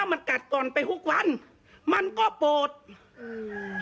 มันกัดก่อนไปทุกวันมันก็โปรดอืม